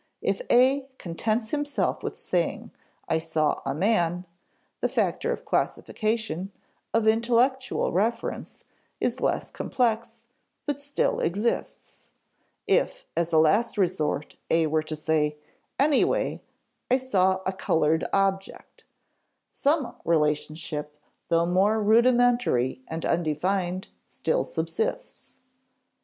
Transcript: If A contents himself with saying, "I saw a man," the factor of classification, of intellectual reference, is less complex, but still exists. If, as a last resort, A were to say, "Anyway, I saw a colored object," some relationship, though more rudimentary and undefined, still subsists.